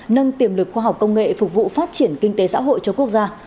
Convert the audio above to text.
nâng tiềm lực khoa học công nghệ phục vụ phát triển kinh tế xã hội cho quốc gia